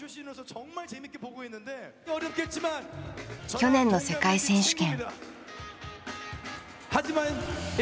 去年の世界選手権。